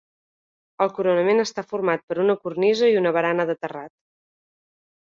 El coronament està format per una cornisa i una barana de terrat.